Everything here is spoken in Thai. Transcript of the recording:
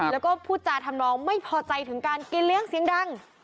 แล้วก็พูดจาทำนองไม่พอใจถึงการกินเลี้ยงเสียงดัง